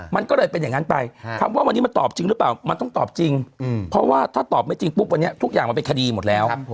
มันก็เลยเป็นอย่างนั้นไปคำว่าวันนี้มันตอบจริงหรือเปล่ามันต้องตอบจริงเพราะว่าถ้าตอบไม่จริงปุ๊บวันนี้ทุกอย่างมันเป็นคดีหมดแล้ว